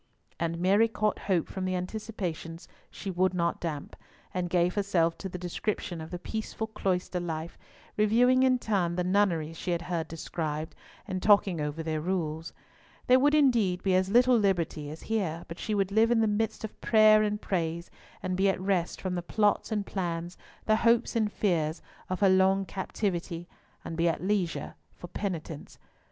And Mary caught hope from the anticipations she would not damp, and gave herself to the description of the peaceful cloister life, reviewing in turn the nunneries she had heard described, and talking over their rules. There would indeed be as little liberty as here, but she would live in the midst of prayer and praise, and be at rest from the plots and plans, the hopes and fears, of her long captivity, and be at leisure for penitence.